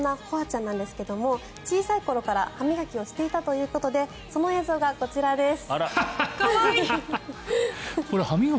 こんなほあちゃんなんですが小さい頃から歯磨きをしていたということでその映像がこちらです。